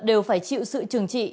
đều phải chịu sự trường trị